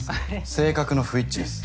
性格の不一致です。